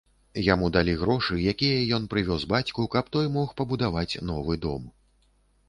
Яму далі грошы, якія ён прывёз бацьку, каб той мог пабудаваць новы дом.